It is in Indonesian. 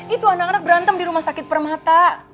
itu anak anak berantem di rumah sakit permata